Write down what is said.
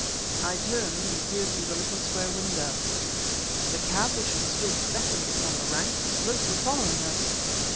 I turned and peered through the little square window. The cab which had stood second upon the rank was closely following us!